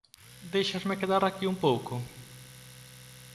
_¿Déixasme quedar aquí un pouco?